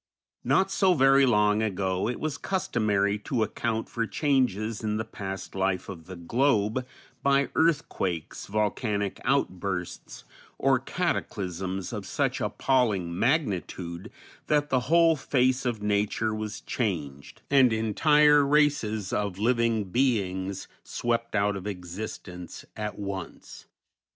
_ Not so very long ago it was customary to account for changes in the past life of the globe by earthquakes, volcanic outbursts, or cataclysms of such appalling magnitude that the whole face of nature was changed, and entire races of living beings swept out of existence at once.